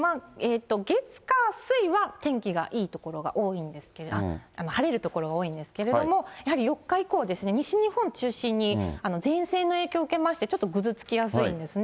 月、火、水は天気がいい所が多いんですけれども、晴れる所多いんですけれども、やはり４日以降は西日本中心に、前線の影響を受けまして、ちょっとぐずつきやすいんですね。